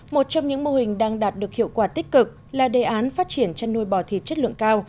một trong những mô hình đang đạt được hiệu quả tích cực là đề án phát triển chăn nuôi bò thịt chất lượng cao